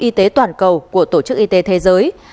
y tế toàn cầu của tổ chức y tế thế giới